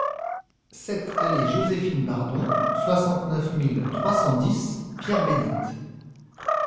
sept allée Joséphine Bardon, soixante-neuf mille trois cent dix Pierre-Bénite